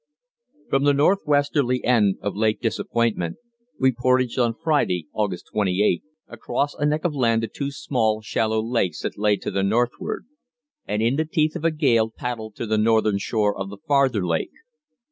From the northwesterly end of Lake Disappointment we portaged on Friday (August 28) across a neck of land to two small, shallow lakes that lay to the northward, and in the teeth of a gale paddled to the northern shore of the farther lake.